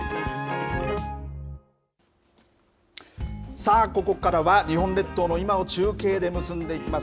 さあ、ここからは、日本列島の今を中継で結んでいきます。